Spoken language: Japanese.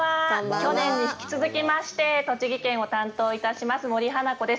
去年に引き続きまして栃木県を担当いたします森花子です。